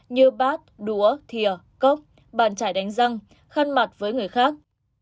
như bát đũa thịa cốc bàn chải đánh răng khăn mặt với người khác